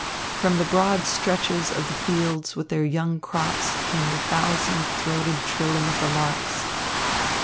From the broad stretches of the fields with their young crops came the thousand throated trilling of the larks.